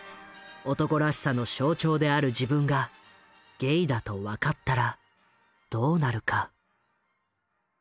男らしさの象徴である自分がゲイだと分かったらどうなるか。